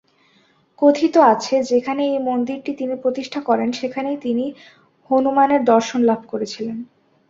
কথিত আছে, যেখানে এই মন্দিরটি তিনি প্রতিষ্ঠা করেন, সেখানেই তিনি হনুমানের দর্শন লাভ করেছিলেন।